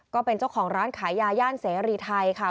ก็เป็นเจ้าของร้านขายยาย่านเสรีไทยค่ะ